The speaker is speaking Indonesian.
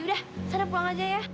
udah sana pulang aja ya